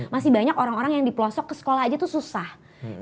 masih banyak orang orang yang dipelosok ke sekolah aja tuh sudah berpengalaman